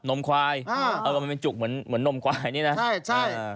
นมควายมันเป็นจุกเหมือนนมควายนี่นะครับใช่